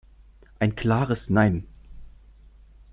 Ein klares Nein!